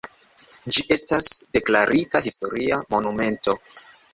Ĝi estas deklarita historia monumento.